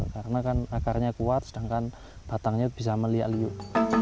karena kan akarnya kuat sedangkan batangnya bisa meliak liuk